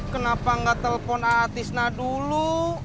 kenapa gak telpon aatisna dulu